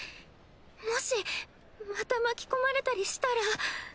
もしまた巻き込まれたりしたら。